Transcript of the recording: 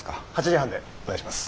８時半でお願いします。